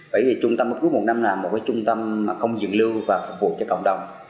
bởi vì trung tâm cấp cứu một trăm một mươi năm là một trung tâm không dựng lưu và phục vụ cho cộng đồng